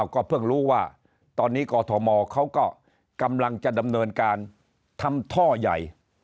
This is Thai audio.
ก็เพิ่งรู้ว่าตอนนี้กอทมเขาก็กำลังจะดำเนินการทำท่อใหญ่